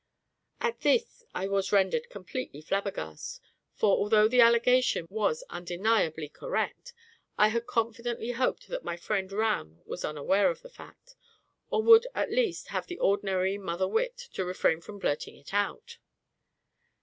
At this I was rendered completely flabaghast for, although the allegation was undeniably correct, I had confidently hoped that my friend RAM was unaware of the fact, or would at least have the ordinary mother wit to refrain from blurting it out!